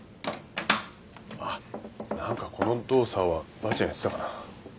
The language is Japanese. あっ何かこの動作はばあちゃんやってたかな。